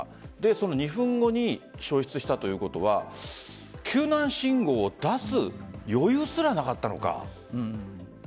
その２分後に消失したということは救難信号を出す余裕すらなかったのか。